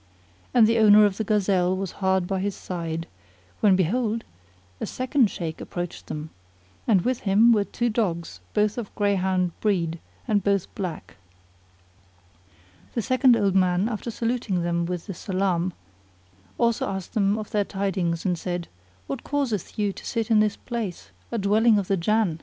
And the owner of the gazelle was hard by his side; when behold, a second Shaykh approached them, and with him were two dogs both of greyhound breed and both black. The second old man after saluting them with the salam, also asked them of their tidings and said "What causeth you to sit in this place, a dwelling of the Jann?"